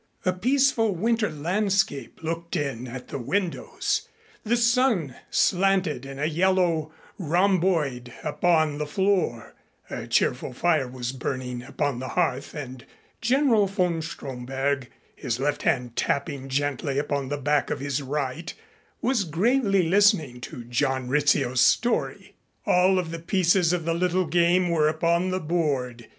A peaceful winter landscape looked in at the windows, the sun slanted in a yellow rhomboid upon the floor, a cheerful fire was burning upon the hearth and General von Stromberg, his left hand tapping gently upon the back of his right, was gravely listening to John Rizzio's story. All of the pieces of the little game were upon the board.